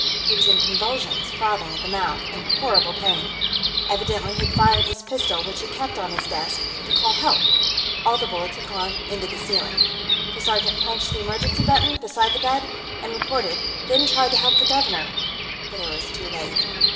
He was in convulsions, frothing at the mouth, in horrible pain. Evidently he'd fired his pistol, which he kept on his desk, to call help; all the bullets had gone into the ceiling. The sergeant punched the emergency button, beside the bed, and reported, then tried to help the governor, but it was too late.